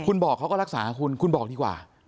คุณบอกเขาก็รักษาคุณคุณบอกดีกว่า